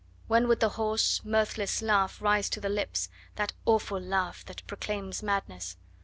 When would the hoarse, mirthless laugh rise to the lips, that awful laugh that proclaims madness?